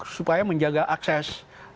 supaya menjaga akses